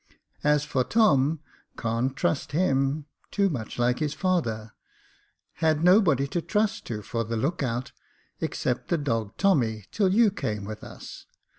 As for Tom, can't trust him — too much like his father — had nobody to trust to for the look out, except the dog Tommy, till you came with us.